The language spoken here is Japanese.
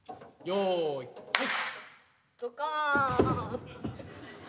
よいはい！